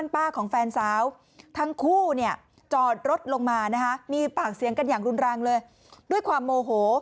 ปากเสียงกันอย่างรุนรังเลยด้วยความโมโห